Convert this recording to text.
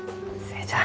園ちゃん。